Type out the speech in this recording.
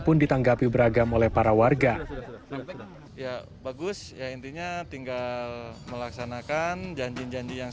pun ditanggapi beragam oleh para warga ya bagus ya intinya tinggal melaksanakan janji janji yang